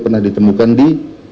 pernah ditemukan di